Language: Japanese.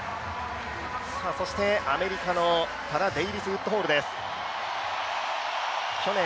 アメリカのタラ・デイビスウッドホールです。